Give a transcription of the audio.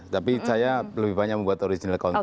tapi saya lebih banyak membuat original count